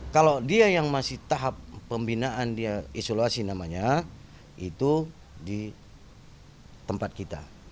kalau dia yang masih tahap pembinaan dia isolasi namanya itu di tempat kita